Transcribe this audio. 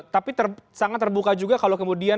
tapi sangat terbuka juga kalau kemudian